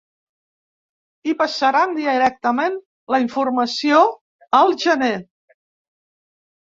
I passaran directament la informació al gener.